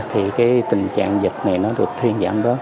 thì tình trạng dịch này được thiên giảm